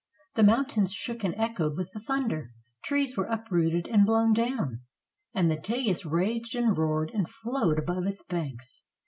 The mountains shook and echoed with the thunder, trees were uprooted and blown down, and the Tagus raged and roared and flowed above its banks.